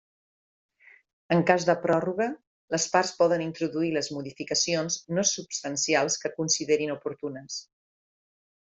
En cas de pròrroga, les parts poden introduir les modificacions no substancials que considerin oportunes.